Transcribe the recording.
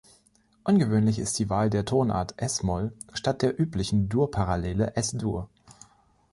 Ungewöhnlich ist die Wahl der Tonart es-Moll statt der üblichen Dur-Parallele Es-Dur.